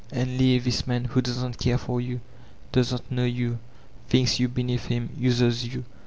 And leave this man, who doesn't care for you, doesn't know you, thinks jrou beneath him, uses jrou.